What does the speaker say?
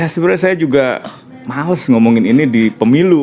sebenarnya saya juga males ngomongin ini di pemilu